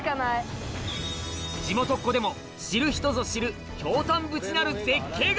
地元っ子でも知る人ぞ知るヒョウタンブチなる絶景が！